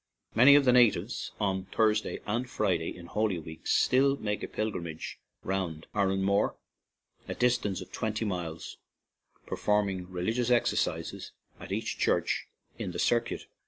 Many of the natives on Thursday and Friday in Holy Week still make a pil grimage round Aranmore, a distance of twenty miles, performing religious ex ercises at each church in the circuit.